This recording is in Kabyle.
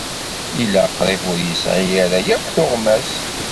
Yella qrib ur yesɛi ara akk tuɣmas.